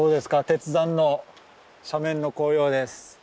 鉄山の斜面の紅葉です。